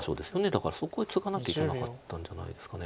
だからそこへツガなきゃいけなかったんじゃないですか。